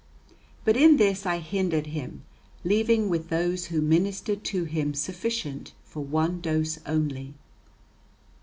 But in this I hindered him, leaving with those who ministered to him sufficient for one dose only.